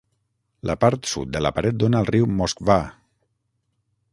La part sud de la paret dóna al riu Moskvà.